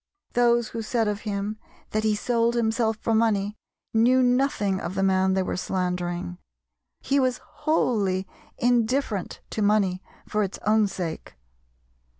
Those who said of him that he sold himself for money knew nothing of the man they were slandering. He was wholly indifferent to money for its own sake.